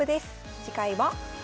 次回は？